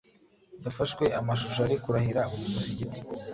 yafashwe amashusho ari kurahira mu musigiti